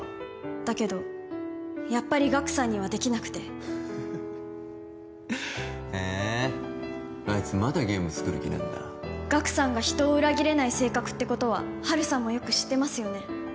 だけどやっぱりガクさんにはできなくてフフフへえあいつまだゲーム作る気なんだガクさんが人を裏切れない性格ってことはハルさんもよく知ってますよね？